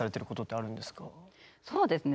そうですね。